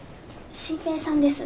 真平さんです。